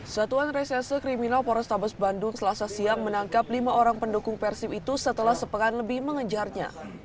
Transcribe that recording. satuan resese kriminal polrestabes bandung selasa siang menangkap lima orang pendukung persib itu setelah sepekan lebih mengejarnya